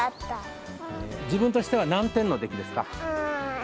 自分としては何点の出来ですか？